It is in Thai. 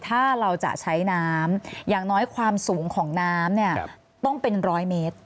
ถ้าเราจะใช้น้ำอย่างน้อยความสูงของน้ำเนี่ยต้องเป็นร้อยเมตร